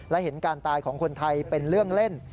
และเห็นการตายของคนไทยเป็นเรื่องเล่น